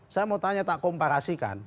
saya mau tanya tak komparasikan